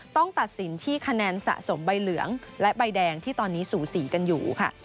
ต้องตัดสินที่คะแนนสะสมใบเหลืองและใบแดงที่ตอนนี้สูสีกันอยู่ค่ะ